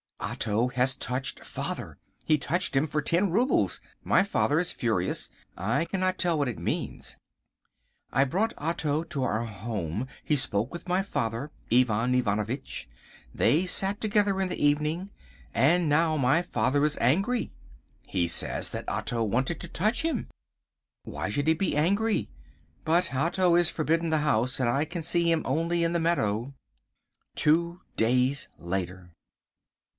Otto has touched father! He touched him for ten roubles. My father is furious. I cannot tell what it means. I brought Otto to our home. He spoke with my father, Ivan Ivanovitch. They sat together in the evening. And now my father is angry. He says that Otto wanted to touch him. Why should he be angry? But Otto is forbidden the house, and I can see him only in the meadow. Two Days Later.